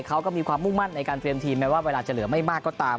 เขาก็มีความมุ่งมั่นในการเตรียมทีมแม้ว่าเวลาจะเหลือไม่มากก็ตาม